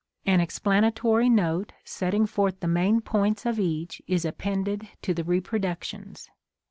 An explanatory note setting forth the main points of each is appended to the reproductions.